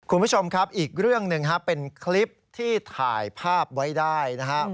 คุณผู้ชมครับอีกเรื่องหนึ่งเป็นคลิปที่ถ่ายภาพไว้ได้นะฮะ